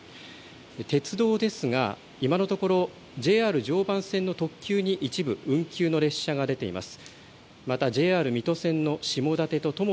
鉄道ですが今のところ、ＪＲ常磐線の特急に一部運休の列車が出ています。